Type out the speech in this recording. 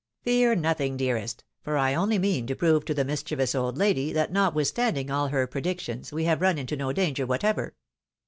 " Fear nothing, dearest — for I only mean to prove to the mischievous old lady, that notwithstanding aU her predictions, we have run into no danger whatever."